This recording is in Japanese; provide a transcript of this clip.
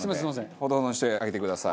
程々にしてあげてください。